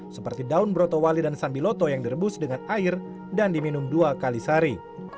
seperti daun broto wali dan sambil loto yang direbus dengan air dan diminum dua kali sehari